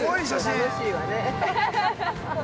◆楽しいわね。